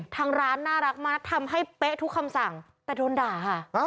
ทางร้านน่ารักมากทำให้เป๊ะทุกคำสั่งแต่โดนด่าค่ะ